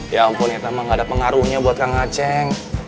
ya ampun itu emang gak ada pengaruhnya buat kang aceh